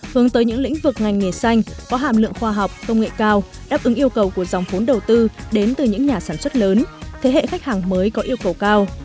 hướng tới những lĩnh vực ngành nghề xanh có hàm lượng khoa học công nghệ cao đáp ứng yêu cầu của dòng vốn đầu tư đến từ những nhà sản xuất lớn thế hệ khách hàng mới có yêu cầu cao